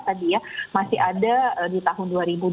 tadi ya masih ada di tahun